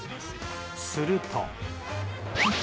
すると。